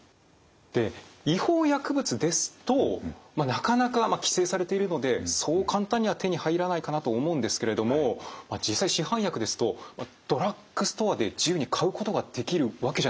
で違法薬物ですとまっなかなか規制されているのでそう簡単には手に入らないかなと思うんですけれども実際市販薬ですとドラッグストアで自由に買うことができるわけじゃないですか。